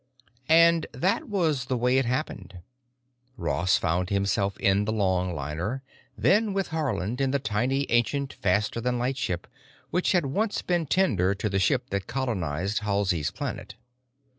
And that was the way it happened. Ross found himself in the longliner, then with Haarland in the tiny, ancient, faster than light ship which had once been tender to the ship that colonized Halsey's Planet.